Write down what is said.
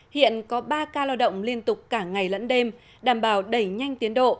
hiện có ba ca lao động liên tục cả ngày lẫn đêm đảm bảo đẩy nhanh tiến độ